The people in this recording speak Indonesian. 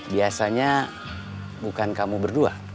biasanya bukan kamu berdua